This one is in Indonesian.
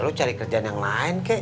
ya lu cari kerjaan yang lain kek